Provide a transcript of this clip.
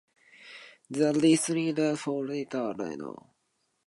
The listener fails to understand because of the lack of continuous listening.